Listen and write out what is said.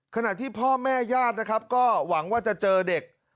ขณะที่พ่อแม่ญาตินะครับก็หวังว่าจะเจอเด็ก